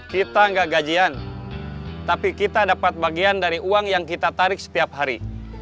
kita nggak gajian tapi kita dapat bagian dari uang yang kita tarik setiap hari